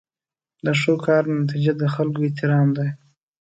د ښو کارونو نتیجه د خلکو احترام دی.